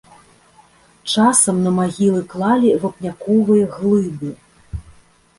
Часам на магілы клалі вапняковыя глыбы.